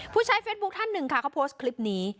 ผู้ใช้เฟซบุ๊คท่านหนึ่งค่ะเขาโพสต์คลิปนี้